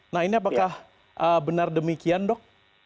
nah ini apakah benar demikian dok